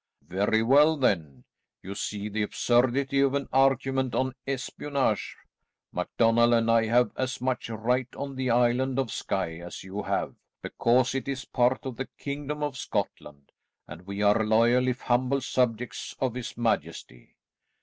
"Very well then. You see the absurdity of an argument on espionage. MacDonald and I have as much right on the island of Skye as you have, because it is part of the Kingdom of Scotland, and we are loyal, if humble subjects of his majesty."